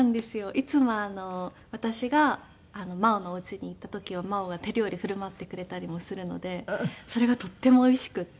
いつも私が真央のお家に行った時は真央が手料理振る舞ってくれたりもするのでそれがとってもおいしくて。